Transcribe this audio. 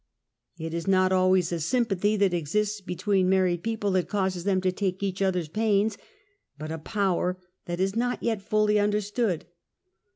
It is not always a sympathy that exists between married people that causes them to take each other's Ipainsf but a power that is not yet fully understood.